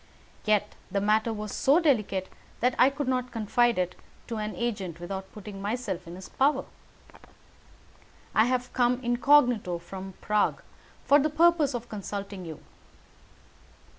Yet the matter was so delicate that I could not confide it to an agent without putting myself in his power. I have come incognito from Prague for the purpose of consulting you."